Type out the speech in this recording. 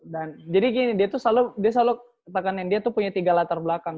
dan jadi gini dia tuh selalu dia selalu katakanin dia tuh punya tiga latar belakang